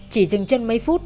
chỉ dừng chân mấy phút